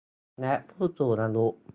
และผู้สูงอายุ